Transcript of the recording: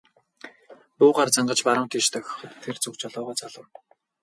Буугаар зангаж баруун тийш дохиход тэр зүг жолоогоо залав.